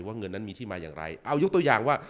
เงินนั้นมีที่มาอย่างไรเอายกตัวอย่างว่า